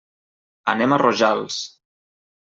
Anem a Rojals.